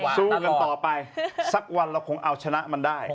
สู้กันต่อไปสักวันเราคงเอาชนะมันได้